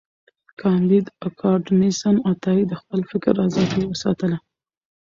کانديد اکاډميسن عطایي د خپل فکر آزادی وساتله.